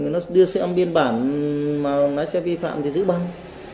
nó đưa xem biên bản mà lái xe vi phạm thì giữ bằng